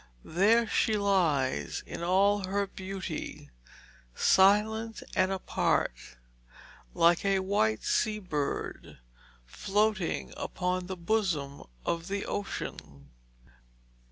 There she lies in all her beauty, silent and apart, like a white sea bird floating upon the bosom of the ocean.